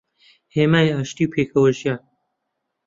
هێمای ئاشتی و پێکەوەژیان